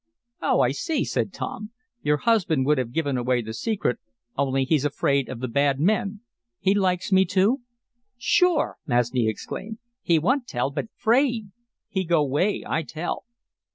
"Oh, I see," said Tom. "Your husband would have given away the secret, only he's afraid of the bad men. He likes me, too?" "Sure!" Masni exclaimed. "He want tell, but 'fraid. He go 'way, I tell."